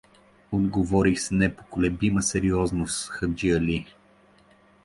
— отговори с непоколебима сериозност хаджи Ахил.